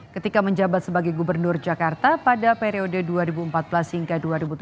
ketika menjabat sebagai gubernur jakarta pada periode dua ribu empat belas hingga dua ribu tujuh belas